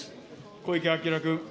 小池晃君。